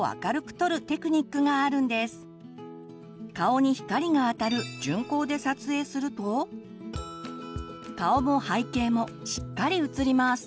顔に光があたる順光で撮影すると顔も背景もしっかり写ります。